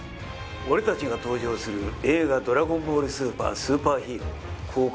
俺たちが登場する映画「ドラゴンボール超スーパーヒーロー」